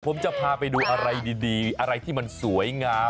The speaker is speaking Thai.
ผมจะพาไปดูอะไรดีอะไรที่มันสวยงาม